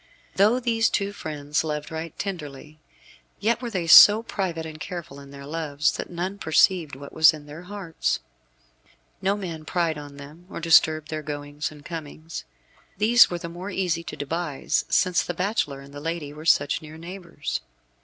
Though these two friends loved right tenderly, yet were they so private and careful in their loves that none perceived what was in their hearts. No man pried on them, or disturbed their goings and comings. These were the more easy to devise since the bachelor and the lady were such near neighbours.